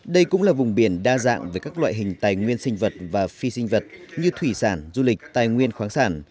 đây cũng là vùng biển đa dạng về các loại hình tài nguyên sinh vật và phi sinh vật như thủy sản du lịch tài nguyên khoáng sản